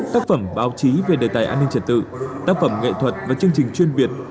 tác phẩm báo chí về đề tài an ninh trật tự tác phẩm nghệ thuật và chương trình chuyên biệt